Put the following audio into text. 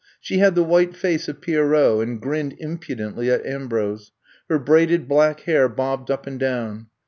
She had the white face of Pierrot and grinned impudently at Ambrose. Her braided black hair bobbed up and down.